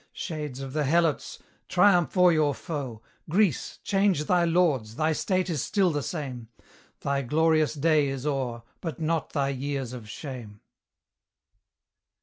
Shades of the Helots! triumph o'er your foe: Greece! change thy lords, thy state is still the same; Thy glorious day is o'er, but not thy years of shame.